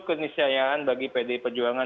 kenisayaan bagi pd pejuangan